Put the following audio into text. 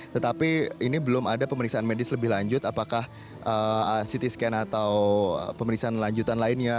tetapi ini belum ada pemeriksaan medis lebih lanjut apakah ct scan atau pemeriksaan lanjutan lainnya